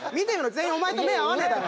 全員お前と目ぇ合わねえだろ。